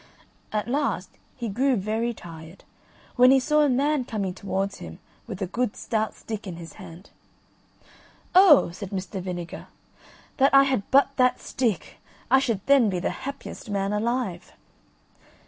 At last he grew very tired, when he saw a man coming towards him with a good stout stick in his hand. "Oh," said Mr. Vinegar, "that I had but that stick! I should then be the happiest man alive."